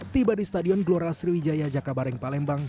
tiba di stadion gloral sriwijaya jakabareng palembang